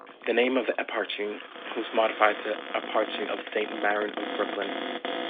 The name of the Eparchy was modified to Eparchy of Saint Maron of Brooklyn.